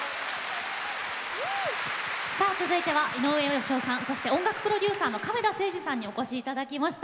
さあ続いては井上芳雄さんそして音楽プロデューサーの亀田誠治さんにお越しいただきました。